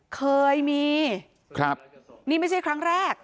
เคยมีครับนี่ไม่ใช่ครั้งแรก